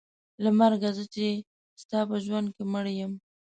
له مرګه زه چې ستا په ژوند کې مړه یم.